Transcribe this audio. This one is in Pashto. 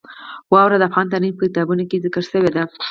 واوره د افغان تاریخ په کتابونو کې ذکر شوی دي.